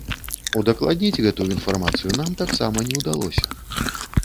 Удакладніць гэтую інфармацыю нам таксама не ўдалося.